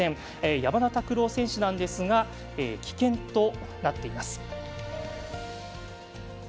山田拓朗選手なんですが棄権となっています。